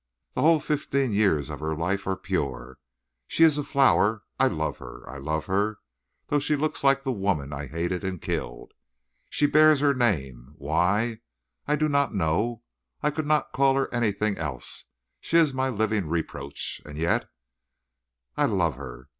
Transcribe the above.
The whole fifteen years of her life are pure. She is a flower. I love her I love her, though she looks like the woman I hated and killed. She bears her name why, I do not know I could not call her anything else; she is my living reproach, and yet I love her.